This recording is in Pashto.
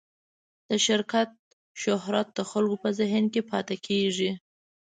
د شرکت شهرت د خلکو په ذهن کې پاتې کېږي.